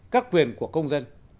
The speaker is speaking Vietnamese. các quyền của công dân